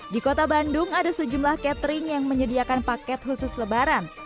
di kota bandung ada sejumlah catering yang menyediakan paket khusus lebaran